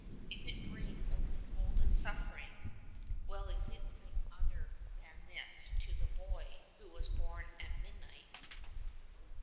If it bring only cold and suffering — well, did it bring 66 other than this to the Boy who was born at midnight